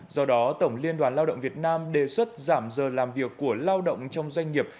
do đó tổng liên đoàn lao động việt nam đề xuất giảm giờ làm việc của lao động trong doanh nghiệp